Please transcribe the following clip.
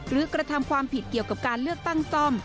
กระทำความผิดเกี่ยวกับการเลือกตั้งซ่อม